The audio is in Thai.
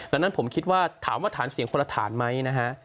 ดังนั้นผมคิดว่าถามว่าฐานเสียงคนละฐานไหมนะฮะ